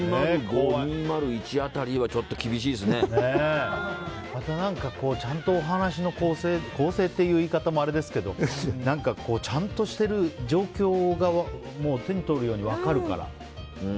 ２０５、２０１辺りはまた、ちゃんとお話の構成構成っていう言い方もあれですけどちゃんとしてる状況が手に取るように分かるから。